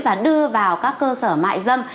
và đưa vào các cơ sở mại dân